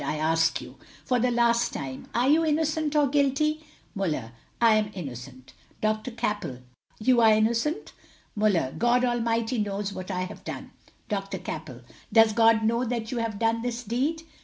I ask you, for the last time, are you innocent or guilty?" Muller: I am innocent. Dr. Cappell: You are innocent? Muller: God Almighty knows what I have done. Dr. Cappell: Does God know that you have done this deed?